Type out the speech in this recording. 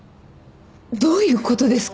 どういうことですか？